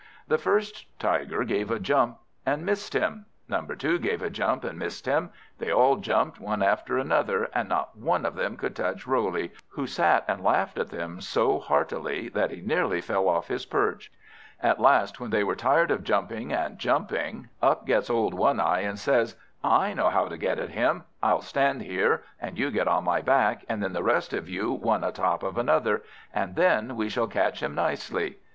The first Tiger gave a jump, and missed him. Number two gave a jump, and missed him. They all jumped, one after another, and not one of them could touch Roley; who sat and laughed at them so heartily, that he nearly fell off his perch. At last, when they were tired of jumping, and jumping, up gets old One eye, and says, "I know how to get at him. I'll stand here, and you get on my back, and then the rest of you one a top of another, and then we shall catch him nicely."